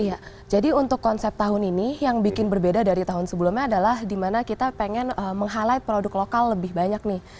iya jadi untuk konsep tahun ini yang bikin berbeda dari tahun sebelumnya adalah dimana kita pengen meng highlight produk lokal lebih banyak nih